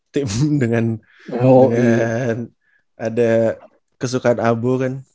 tim dengan ada kesukaan abu kan